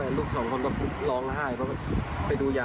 ทั้งลูกสองคนก็ร้องไห้เพราะเป็นยา